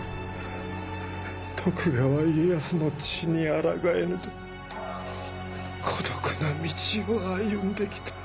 徳川家康の血にあらがえぬと孤独な道を歩んで来た。